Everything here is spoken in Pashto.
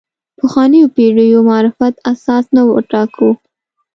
پخوانیو پېړیو معرفت اساس نه وټاکو.